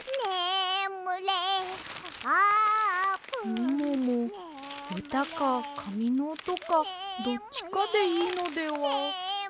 みももうたかかみのおとかどっちかでいいのでは。